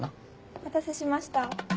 お待たせしました。